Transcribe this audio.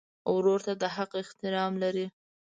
ورور ته د حق احترام لرې.